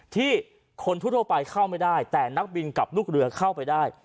ที่คนทั่วไปเข้าไม่ได้แต่นักบินกับลูกเรือเข้าไปได้